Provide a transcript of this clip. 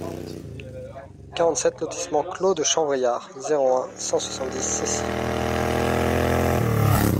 quarante-sept lotissement Clos de Champ-Vrillard, zéro un, cent soixante-dix Cessy